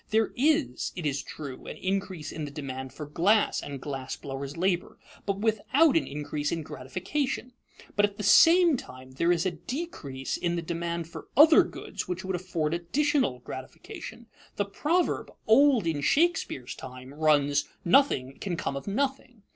There is, it is true, an increase in the demand for glass and glass blowers' labor, but without an increase in gratification; but at the same time there is a decrease in the demand for other goods which would afford additional gratification. The proverb, old in Shakespeare's time, runs, "Nothing can come of nothing."